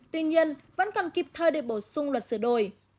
tuy nhiên vẫn cần kịp thời để bổ sung luật sửa đổi